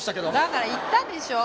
だから言ったでしょ。